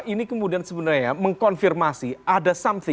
ini kemudian sebenarnya mengkonfirmasi ada sanksi